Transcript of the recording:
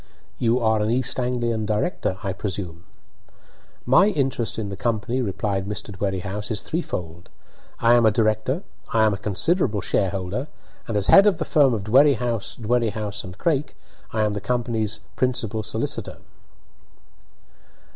"You are an East Anglian director, I presume?" "My interest in the company," replied Mr. Dwerringhouse, "is threefold. I am a director, I am a considerable shareholder, and, as head of the firm of Dwerrihouse, Dwerrihouse & Craik, I am the company's principal solicitor."